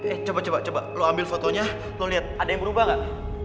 eh coba coba lo ambil fotonya lo lihat ada yang berubah gak